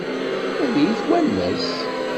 Ad iyi-iwanes?